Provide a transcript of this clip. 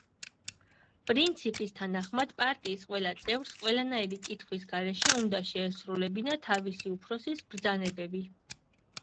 პრინციპის თანახმად, პარტიის ყველა წევრს ყველანაირი კითხვის გარეშე უნდა შეესრულებინა თავისი უფროსის ბრძანებები.